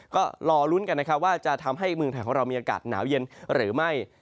ก็รอลุ้นกันนะครับว่าจะทำให้เมืองไทยของเรามีอากาศหนาวเย็นหรือไม่